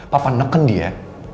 papa neken dia